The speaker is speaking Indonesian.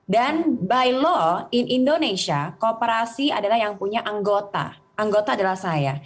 dan by law in indonesia kooperasi adalah yang punya anggota anggota adalah saya